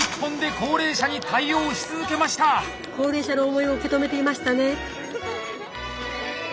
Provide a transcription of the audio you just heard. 高齢者の思いを受け止めていましたね！